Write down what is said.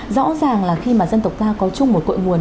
rõ ràng là khi mà dân tộc ta có chung một cội nguồn